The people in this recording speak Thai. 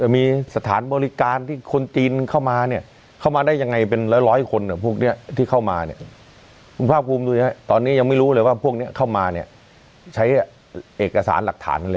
มีสถานบริการที่คนจีนเข้ามาเข้ามาได้ยังไงเป็นล้อร้อยคน